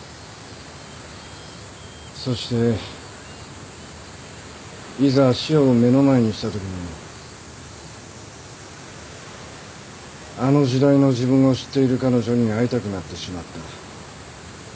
そしていざ死を目の前にしたときにあの時代の自分を知っている彼女に会いたくなってしまった。